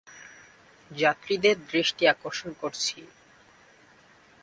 যাত্রীদের দৃষ্টি আকর্ষণ করছি।